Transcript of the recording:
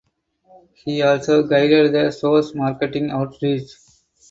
He also guided the shows marketing outreach.